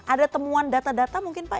ada temuan data data mungkin pak